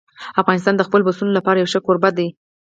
افغانستان د خپلو پسونو لپاره یو ښه کوربه دی.